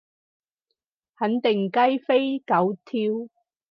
肯定雞飛狗跳